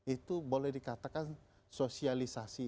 itu boleh dikatakan sosialisasi